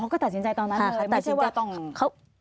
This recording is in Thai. อ๋อก็ตัดสินใจตอนนั้นเลยไม่ใช่ว่าต้องค่ะตัดสินใจ